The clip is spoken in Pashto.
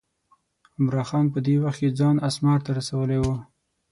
عمرا خان په دې وخت کې ځان اسمار ته رسولی و.